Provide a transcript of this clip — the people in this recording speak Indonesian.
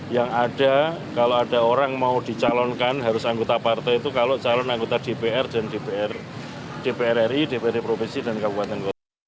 yang ada kalau ada orang mau dicalonkan harus anggota partai itu kalau calon anggota dpr dan dpr ri dprd provinsi dan kabupaten kota